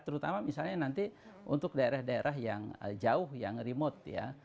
terutama misalnya nanti untuk daerah daerah yang jauh yang remote ya